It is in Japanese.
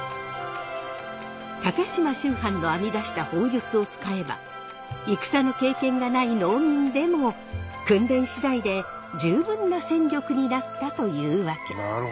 高島秋帆の編み出した砲術を使えば戦の経験がない農民でも訓練次第で十分な戦力になったというわけ。